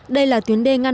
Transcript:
đây là tuyến đê ngăn mặn